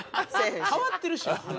変わってるしな話。